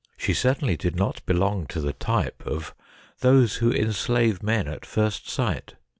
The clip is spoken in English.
She certainly did not belong to the type of those who enslave men at first sight.